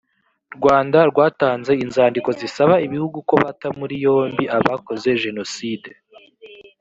rwanda rwatanze inzandiko zisaba ibihugu ko bata muri yombi abakoze jenocide